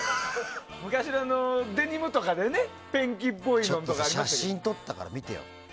昔のデニムとかでねペンキっぽいのとかちょっと写真撮ったから見てよ。